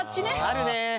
あるね。